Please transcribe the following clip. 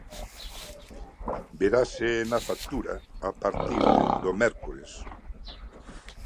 Verase na factura a partir do mércores.